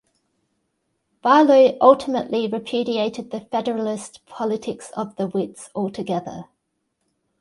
Barlow ultimately repudiated the Federalist politics of the Wits altogether.